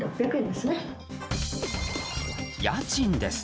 家賃です。